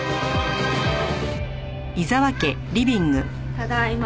ただいま。